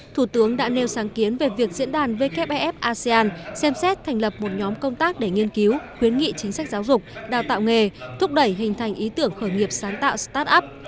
thủ tướng đã nêu sáng kiến về việc diễn đàn wfef asean xem xét thành lập một nhóm công tác để nghiên cứu khuyến nghị chính sách giáo dục đào tạo nghề thúc đẩy hình thành ý tưởng khởi nghiệp sáng tạo start up